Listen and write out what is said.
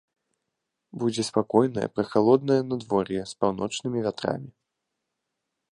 Будзе спакойнае прахалоднае надвор'е з паўночнымі вятрамі.